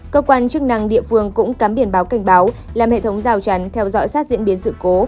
cơ quan chức năng địa phương cũng cắm biển báo cảnh báo làm hệ thống rào chắn theo dõi sát diễn biến sự cố